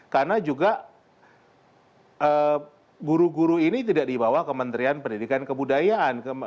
karena juga guru guru ini tidak di bawah kementerian pendidikan kebudayaan